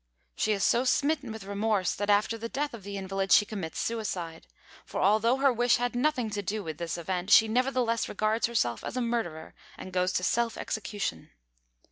She is so smitten with remorse that after the death of the invalid she commits suicide. For although her wish had nothing to do with this event, she nevertheless regards herself as a murderer, and goes to self execution.